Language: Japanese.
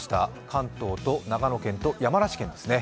関東と長野県と山梨県ですね。